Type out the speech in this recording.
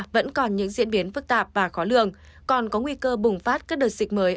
vẫn còn những diễn biến phức tạp và khó lường còn có nguy cơ bùng phát các đợt dịch mới